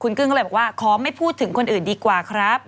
กึ้งก็เลยบอกว่าขอไม่พูดถึงคนอื่นดีกว่าครับ